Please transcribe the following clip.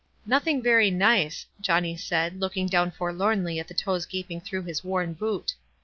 "Nothing very nice," Johnny said, looking down forlornly at the toes gaping through his worn boot.